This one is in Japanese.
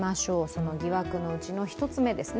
その疑惑のうちの一つ目です。